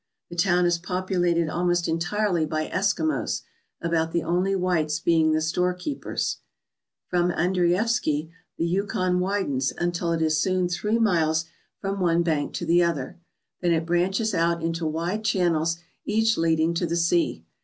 The town is populated almost entirely by Eskimos, about the only whites being the storekeepers. From Andreafski the Yukon widens until it is soon 181 ALASKA OUR NORTHERN WONDERLAND three miles from one bank to the other. Then it branches out into wide channels, each leading to the sea.